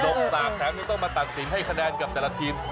กสากแถมยังต้องมาตัดสินให้คะแนนกับแต่ละทีม